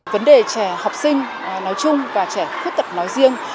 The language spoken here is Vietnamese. vấn đề trẻ học sinh nói chung và trẻ khuyết tật nói riêng